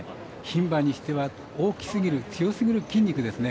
牝馬にしては、大きすぎる強すぎる筋肉ですね。